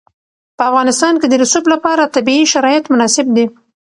په افغانستان کې د رسوب لپاره طبیعي شرایط مناسب دي.